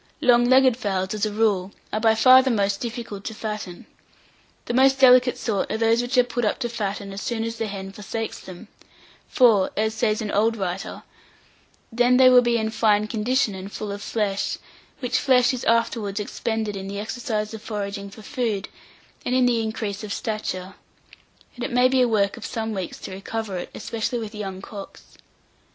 Long legged fowls, as a rule, are by far the most difficult to fatten. The most delicate sort are those which are put up to fatten as soon as the hen forsakes them; for, as says an old writer, "then they will be in fine condition, and full of flesh, which flesh is afterwards expended in the exercise of foraging for food, and in the increase of stature; and it may be a work of some weeks to recover it, especially with young cocks."